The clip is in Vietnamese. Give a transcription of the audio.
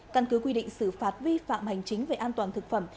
căn cứ quy định xử phạt vi phạm hành chính về an toàn thực phẩm